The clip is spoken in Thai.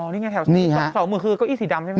อ๋อนี่ไงแถว๒๐๐๐๐บาทแถวมือคือก็อี้สีดำใช่ไหม